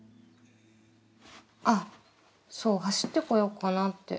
あっそう走ってこようかなって。